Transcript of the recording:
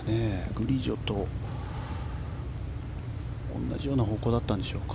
グリジョと同じような方向だったんでしょうか。